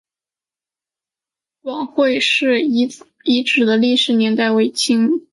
广惠寺遗址的历史年代为清。